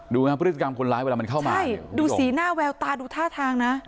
พฤติกรรมคนร้ายเวลามันเข้ามาใช่ดูสีหน้าแววตาดูท่าทางนะ